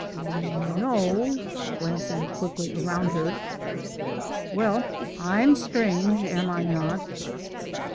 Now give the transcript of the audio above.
"Why, no " glancing quickly around her. "Well, I'm strange, am I not?"